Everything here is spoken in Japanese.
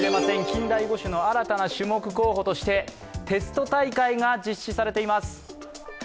近代五種の新たな種目候補としてテスト大会が実施されています。